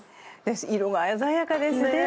色が鮮やかですね！